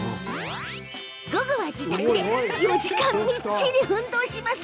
午後は自宅で４時間みっちり運動します。